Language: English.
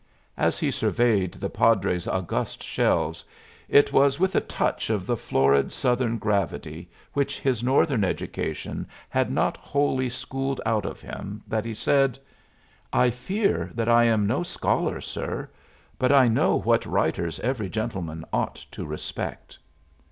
As he surveyed the padre's august shelves, it was with a touch of the florid Southern gravity which his Northern education had not wholly schooled out of him that he said: "I fear that I am no scholar, sir. But I know what writers every gentleman ought to respect."